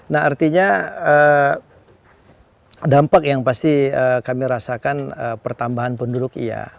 nah artinya dampak yang pasti kami rasakan pertambahan penduduk iya